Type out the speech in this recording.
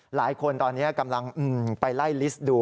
หลายคนตอนนี้กำลังไปไล่ลิสต์ดู